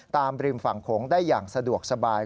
ริมฝั่งโขงได้อย่างสะดวกสบาย